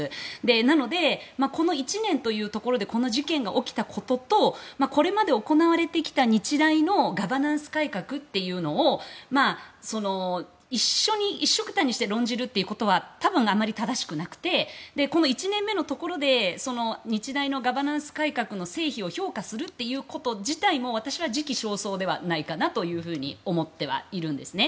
なので、この１年というところでこの事件が起きたこととこれまで行われてきた日大のガバナンス改革というのを一緒くたに論じることは多分あまり正しくなくてこの１年目のところで日大のガバナンス改革の正否を評価すること自体も私は時期尚早ではないかなと思ってはいるんですね。